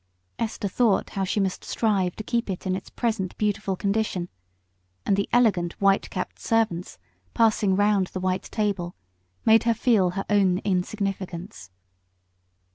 Esther thought how she must strive to keep it in its present beautiful condition, and the elegant white capped servants passing round the white table made her feel her own insignificance.